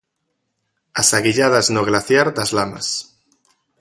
As Aguilladas no glaciar das Lamas.